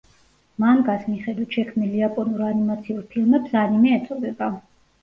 მანგას მიხედვით შექმნილ იაპონურ ანიმაციურ ფილმებს ანიმე ეწოდება.